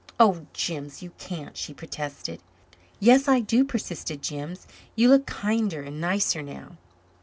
"Oh, Jims, you can't," she protested. "Yes, I do," persisted Jims. "You look kinder and nicer now."